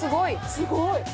すごい。